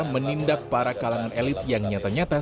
menindak para kalangan elit yang nyata nyata